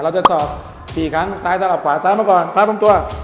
เราจะสอบสี่ทั้งซ้ายท้ายออกขวาสามแล้วก่อนพร้อมตัว